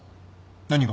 何が？